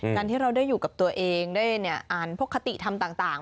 การที่เราได้อยู่กับตัวเองได้อ่านพวกคติธรรมต่าง